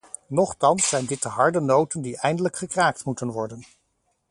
Nochtans zijn dit de harde noten die eindelijk gekraakt moeten worden!